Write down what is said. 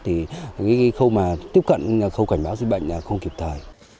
thì cái khâu mà tiếp cận khâu cảnh báo dịch bệnh là không kịp thời